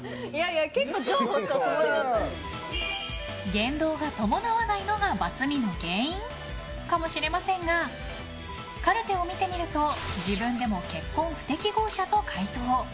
言動が伴わないのがバツ２の原因？かもしれませんがカルテを見てみると自分でも結婚不適合者と回答。